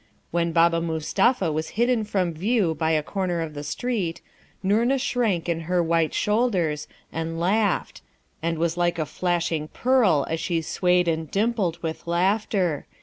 When Baba Mustapha was hidden from view by a corner of the street, Noorna shrank in her white shoulders and laughed, and was like a flashing pearl as she swayed and dimpled with laughter.